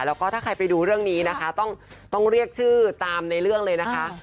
แล้วก็ถ้าใครไปดูเรื่องนี้นะคะต้องเรียกชื่อตามในเรื่องเลยนะคะ